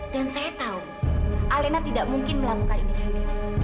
dan saya tahu alena tidak mungkin melakukan ini sendiri